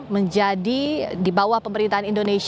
menjadi di bawah pemerintahan indonesia